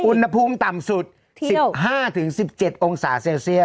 อุณหภูมิต่ำสุดเที่ยวสิบห้าถึงสิบเจ็ดองสาเซลเซียส